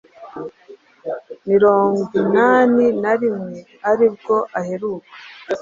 mirongwinani narimwe.aribwo aheruka